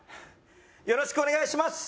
よろしくお願いします